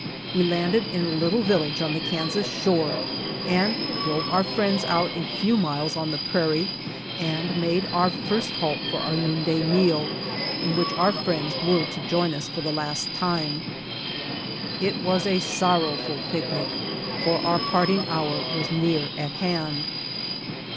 We landed in a little village on the Kansas shore, and drove our 6 BY OX TEAM TO CALIFORNIA friends out a few miles on the prairie, and made our first halt for our noon day meal in which our friends were to join us for the last time. It was a sorrowful picnic, for our parting hour was near at hand.